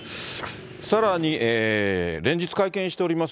さらに、連日会見しております